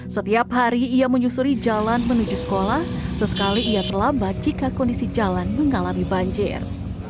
setiap hari ia menyusuri jalan menuju sekolah sesekali ia terlambat jika kondisi jalan mengalami banjir